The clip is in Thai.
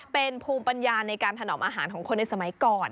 เป็นภูมิปัญญาในการถนอมอาหารของคนในสมัยก่อน